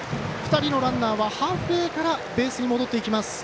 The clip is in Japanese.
２人のランナーはハーフウエーからベースに戻っていきます。